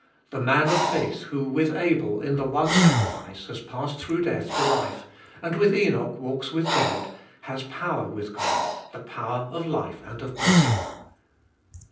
The man of faith who with Abel, in the one sacrifice, has passed through death to life, and with Enoch walks with God, has power with God, the power of life and of blessing.